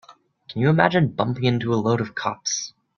Can you imagine bumping into a load of cops?